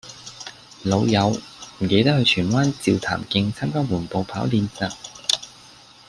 老友唔記得去荃灣照潭徑參加緩步跑練習